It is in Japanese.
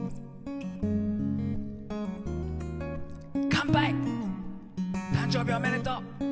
乾杯、誕生日おめでとう。